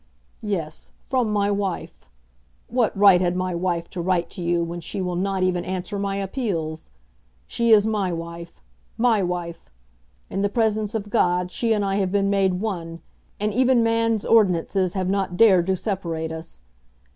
"Yes; from my wife. What right had my wife to write to you when she will not even answer my appeals? She is my wife; my wife! In the presence of God she and I have been made one, and even man's ordinances have not dared to separate us.